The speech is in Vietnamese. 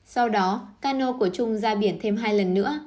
sau đó cano của trung ra biển thêm hai lần nữa